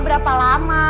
hei si buranti